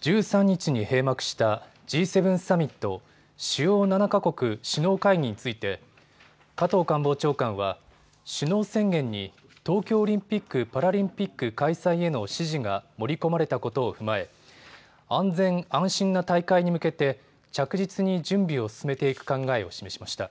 １３日に閉幕したＧ７サミット・主要７か国首脳会議について加藤官房長官は首脳宣言に東京オリンピック・パラリンピック開催への支持が盛り込まれたことを踏まえ安全安心な大会に向けて着実に準備を進めていく考えを示しました。